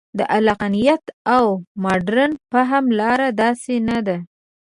د عقلانیت او مډرن فهم لاره داسې نه ده.